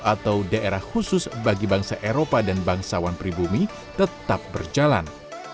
atau daerah khusus bagi bangsa eropa dan bangsawan pribumi tetap berjalan